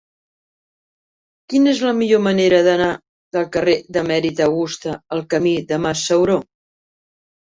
Quina és la millor manera d'anar del carrer d'Emèrita Augusta al camí del Mas Sauró?